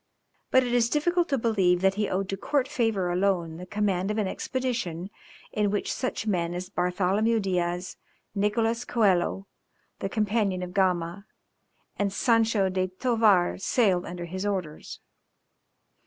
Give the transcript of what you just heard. But it is difficult to believe that he owed to court favour alone the command of an expedition in which such men as Bartholomew Diaz, Nicholas Coelho the companion of Gama, and Sancho de Thovar sailed under his orders.